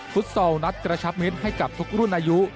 ซอลนัดกระชับมิตรให้กับทุกรุ่นอายุ